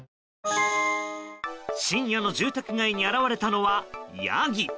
深夜の住宅街に現れたのはヤギ。